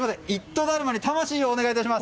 だるまに魂をお願いいたします。